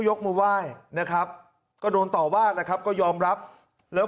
ยกมือไหว้นะครับก็โดนต่อว่าแหละครับก็ยอมรับแล้ว